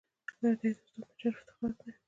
لرګی د استاد نجار افتخار دی.